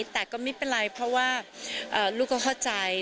แต่ก็ไม่เป็นไรเพราะว่าลูกก็เข้าใจ